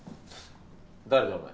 誰だお前。